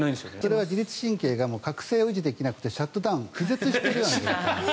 「それは自律神経が覚醒を維持できなくてシャットダウン気絶しているような状態」